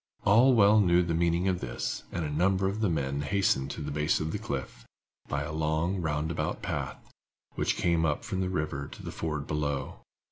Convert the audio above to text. All well knew the meaning of this, and a number of the men hastened to the base of the cliff, by a long, roundabout path, which came up from the river at the ford below.